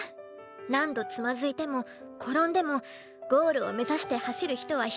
何度つまずいても転んでもゴールを目指して走る人は一人じゃないって。